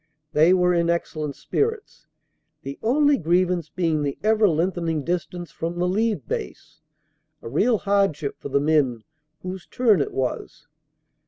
They were in excellent spirits, the only griev ance being the ever lengthening distance from the leave base, a real hardship for the men whose turn it was.